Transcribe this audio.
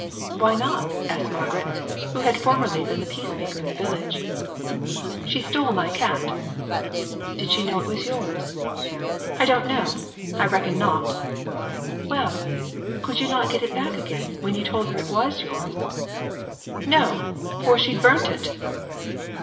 "Why not?" asked Margaret, who had formerly been the peace maker of the village. "She stole my cat." "Did she know it was yours?" "I don't know. I reckon not." "Well! could not you get it back again when you told her it was yours?" "No! for she'd burnt it."